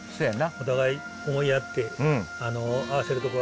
お互い思いやってあの合わせるとこ